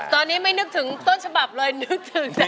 ตอนนี้ไม่นึกถึงต้นฉบับเลยนึกถึง